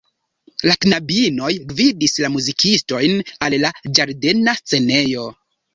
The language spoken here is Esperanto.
La knabinoj gvidis la muzikistojn al la ĝardena scenejo.